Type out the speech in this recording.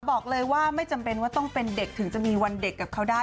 บอกเลยว่าไม่จำเป็นว่าต้องเป็นเด็กถึงจะมีวันเด็กกับเขาได้